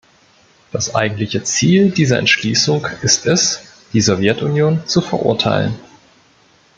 Das eigentliche Ziel dieser Entschließung ist es, die Sowjetunion zu verurteilen.